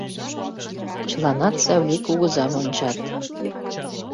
Чыланат Савлий кугызам ончат.